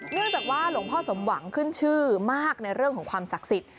เนื่องจากว่าหลวงพ่อสมหวังขึ้นชื่อมากในเรื่องของความศักดิ์สิทธิ